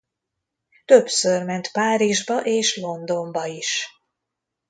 Többször ment Párizsba és Londonba is.